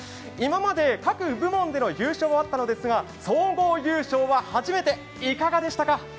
今まで各部門での優勝はあったのですが、総合優勝は初めて、いかがでしたか？